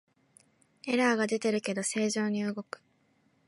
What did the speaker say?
エラーが出てるけど正常に動く